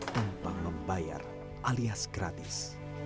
tanpa membayar alias gratis